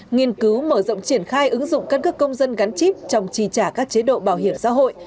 nghiên cứu mở rộng triển khai ứng dụng các cơ công dân gắn chip trong trì trả các chế độ bảo hiểm xã hội